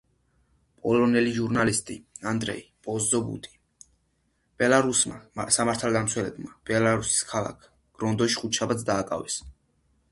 პოლონელი ჟურნალისტი ანდრეი პოსზობუტი ბელარუსმა სამართალდამცავებმა ბელარუსის ქალაქ გროდნოში ხუთშაბათს დააკავეს.